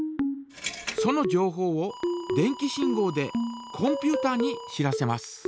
そのじょうほうを電気信号でコンピュータに知らせます。